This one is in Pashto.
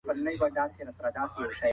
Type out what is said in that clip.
د بشري قوانينو په اړه فکر وکړه.